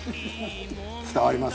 「伝わります」